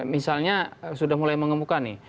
misalnya sudah mulai mengemuka nih